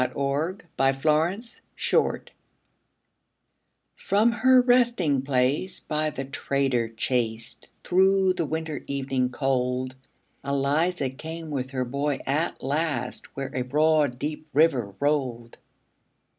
ELIZA CROSSING THE RIVER From her resting place by the trader chased, Through the winter evening cold, Eliza came with her boy at last, Where a broad deep river rolled.